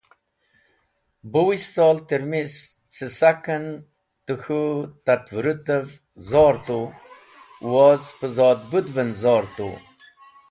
Buwist sol trẽmis ce saken tẽ k̃hũ tatvũrũtev zor tu woz pẽ zodbũd’ven zor tu.